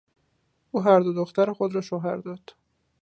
او هر دو دختر خود را شوهر داد.